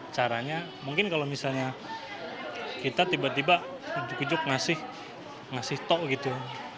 caranya mungkin kalau misalnya kita tiba tiba ujuk ujuk ngasih tok gitu